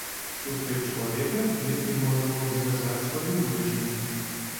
Сустрэць чалавека, з якім можна было б звязаць сваю будучыню.